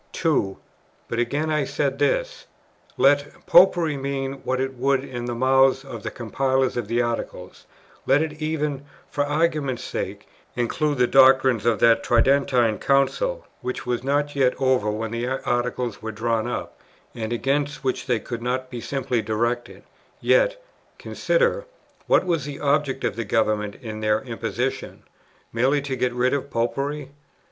2. But again I said this: let "Popery" mean what it would in the mouths of the compilers of the Articles, let it even, for argument's sake, include the doctrines of that Tridentine Council, which was not yet over when the Articles were drawn up, and against which they could not be simply directed, yet, consider, what was the object of the Government in their imposition? merely to get rid of "Popery?"